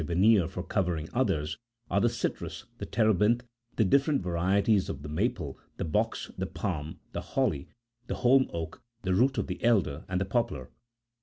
429 veneer for covering others, are the citrus, the terebinth, the different varieties of the maple, the box, the palm,55 the holly, the holm oak, the root of the elder, and the poplar.